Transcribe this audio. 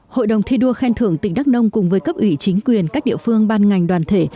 hội đồng thi đua khen thưởng tỉnh đắk nông cùng với cấp ủy chính quyền các địa phương ban ngành đoàn thể